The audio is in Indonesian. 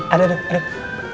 aduh aduh aduh